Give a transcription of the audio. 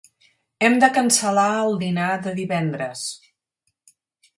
Hem de cancel·lar el dinar de divendres.